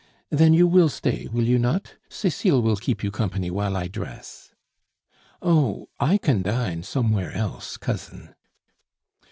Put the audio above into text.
"Then you will stay, will you not? Cecile will keep you company while I dress. "Oh! I can dine somewhere else, cousin."